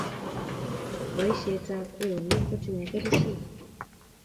boishetap eunek kotinyei kelchin